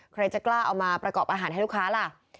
ใครจะกล้าเอามาประกอบอาหารให้ลูกค้าล่ะ